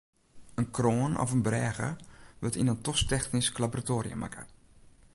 In kroan of in brêge wurdt yn in tosktechnysk laboratoarium makke.